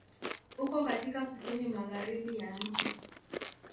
Uko katika Kusini Magharibi ya nchi.